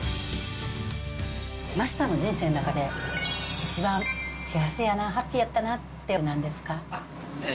マスターの人生の中で、一番幸せやな、ハッピーやったなってなんですか？